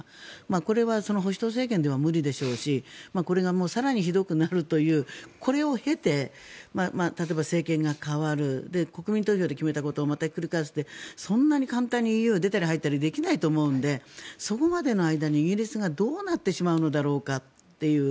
これは保守党政権では無理でしょうしこれが更にひどくなるというこれを経て例えば、政権が代わる国民投票で決めたことをまた繰り返すってそんなに簡単にＥＵって出たり入ったりできないと思うのでそこまでの間にイギリスがどうなってしまうのだろうかという。